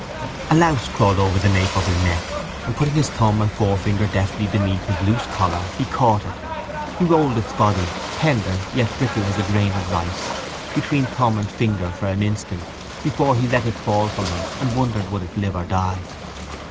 A louse crawled over the nape of his neck and, putting his thumb and forefinger deftly beneath his loose collar, he caught it. He rolled its body, tender yet brittle as a grain of rice, between thumb and finger for an instant before he let it fall from him and wondered would it live or die.